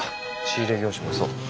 仕入れ業者もそう。